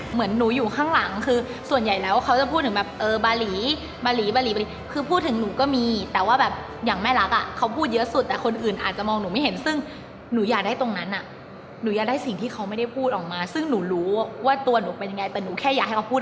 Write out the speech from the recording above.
เหมือนหนูอยู่ข้างหลังคือส่วนใหญ่แล้วเขาจะพูดถึงแบบเออบาหลีบาหลีบาหลีบหลีคือพูดถึงหนูก็มีแต่ว่าแบบอย่างแม่รักอ่ะเขาพูดเยอะสุดแต่คนอื่นอาจจะมองหนูไม่เห็นซึ่งหนูอยากได้ตรงนั้นอ่ะหนูอยากได้สิ่งที่เขาไม่ได้พูดออกมาซึ่งหนูรู้ว่าตัวหนูเป็นยังไงแต่หนูแค่อยากให้เขาพูด